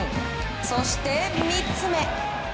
そして、３つ目。